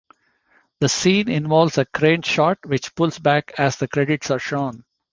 The scene involves a crane shot which pulls back as the credits are shown.